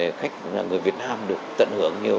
để khách người việt nam được tận hưởng nhiều